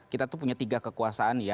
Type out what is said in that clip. kita tuh punya tiga kekuasaan ya